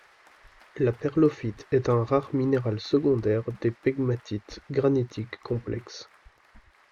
La perloffite est un rare minéral secondaire des pegmatites granitiques complexes.